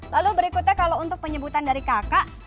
lalu berikutnya kalau untuk penyebutan dari kakak